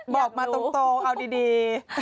บอกมาตรงเอาดี